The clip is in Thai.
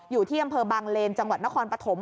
อยู่ที่อำเภอบางเลนจังหวัดนครปฐม